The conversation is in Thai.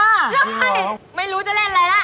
ใช่ไม่รู้จะเล่นอะไรล่ะ